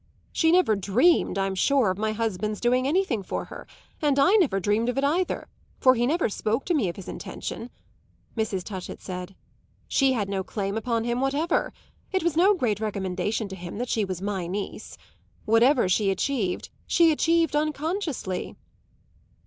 "She never dreamed, I'm sure, of my husband's doing anything for her; and I never dreamed of it either, for he never spoke to me of his intention," Mrs. Touchett said. "She had no claim upon him whatever; it was no great recommendation to him that she was my niece. Whatever she achieved she achieved unconsciously."